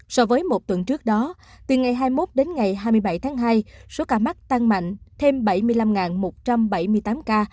so với một tuần trước đó từ ngày hai mươi một đến ngày hai mươi bảy tháng hai số ca mắc tăng mạnh thêm bảy mươi năm một trăm bảy mươi tám ca